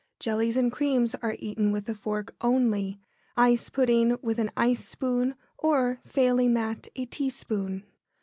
Jellies and creams are eaten with a fork only; ice pudding with an ice spoon, or, failing that, a teaspoon.